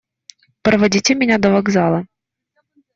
Проводите меня до вокзала.